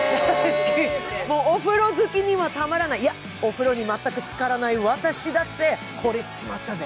お風呂好きにはたまらない、いや、お風呂に全くつからない私だってほれてしまったぜ。